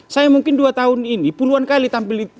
saya mungkin dua tahun ini puluhan kali tampil di